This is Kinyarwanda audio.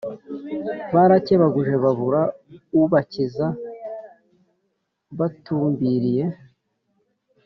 Barakebaguje babura ubakiza Batumbiriye